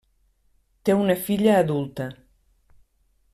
Té una filla adulta.